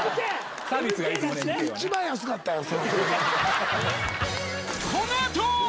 一番安かったんや。